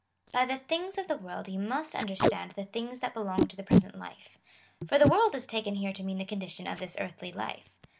By the things of the world you must understand the things that belong to the present life ; for the world is taken here to mean the condition of this earthly life.